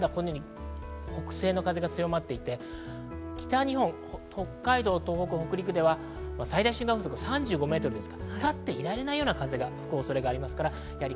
北西の風が強まっていて、最大瞬間風速３５メートルで、立っていられないような風が吹く恐れがあります。